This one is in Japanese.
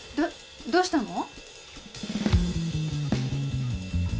どどうしたの？